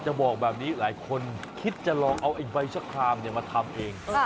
บอกแบบนี้หลายคนคิดจะลองเอาไอ้ใบชะครามมาทำเอง